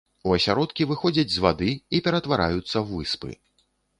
У асяродкі выходзяць з вады і ператвараюцца ў выспы.